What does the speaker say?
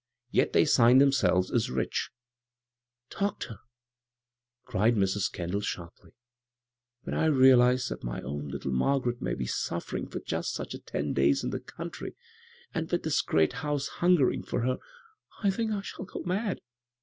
— ^yet they signed themselves as ' rich ' 1 "" Doctor," cried Mrs. Kendall, sharply, " when I realize that my own little Margaret may be suffering for just such a ten days in the country, and with this great house hungering for her, I think I shall go mad.